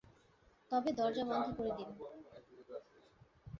তবে দরজা বন্ধ করে দিন।